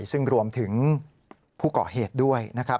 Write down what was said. ซึ่งรวมถึงผู้เกาะเหตุด้วยนะครับ